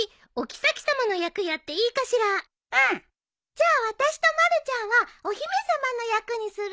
じゃあ私とまるちゃんはお姫様の役にする？